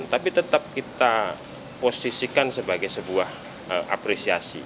tapi tetap kita posisikan sebagai sebuah apresiasi